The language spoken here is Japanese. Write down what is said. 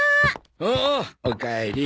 おおおかえり。